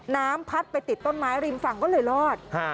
น้ำพัดไปติดต้นไม้ริมฝั่งก็เลยรอด